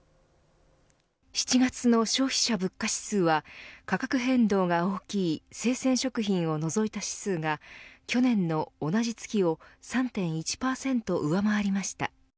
７月の消費者物価指数は価格変動が大きい生鮮食品を除いた指数が去年の同じ月を３．１％上回りました。